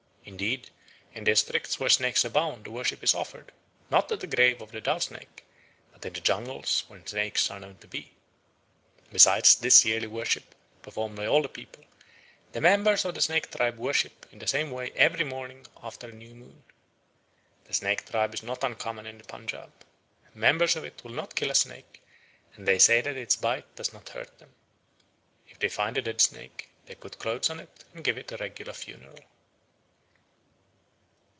Indeed, in districts where snakes abound the worship is offered, not at the grave of the dough snake, but in the jungles where snakes are known to be. Besides this yearly worship, performed by all the people, the members of the Snake tribe worship in the same way every morning after a new moon. The Snake tribe is not uncommon in the Punjaub. Members of it will not kill a snake, and they say that its bite does not hurt them. If they find a dead snake, they put clothes on it and give it a regular funeral.